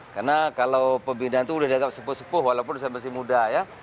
karena kalau pembinaan itu sudah dianggap sepuh sepuh walaupun masih muda ya